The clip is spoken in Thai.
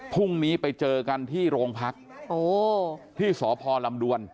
พรุ่งนี้ไปเจอกันที่โรงพักที่สพลำดวน